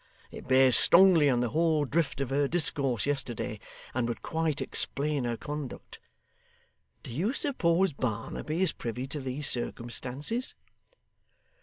It bears strongly on the whole drift of her discourse yesterday, and would quite explain her conduct. Do you suppose Barnaby is privy to these circumstances?